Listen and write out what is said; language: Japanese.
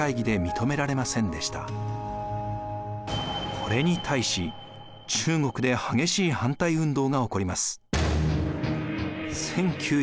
これに対し中国で激しい反対運動が起こります。